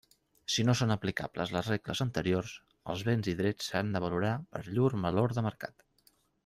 Si no són aplicables les regles anteriors, els béns i drets s'han de valorar per llur valor de mercat.